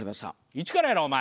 一からやろお前。